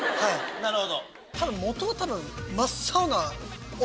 なるほど。